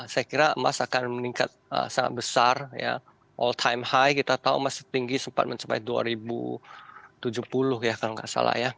saya kira emas akan meningkat sangat besar ya all time high kita tahu masih tinggi sempat mencapai dua ribu tujuh puluh ya kalau nggak salah ya